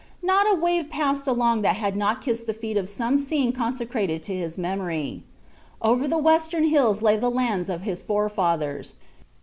Not a wave passed along that had not kissed the feet of some scene consecrated to his memory. Over the western hills lay the lands of his forefathers.